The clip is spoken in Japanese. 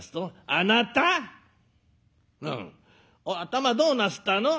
「頭どうなすったの？」。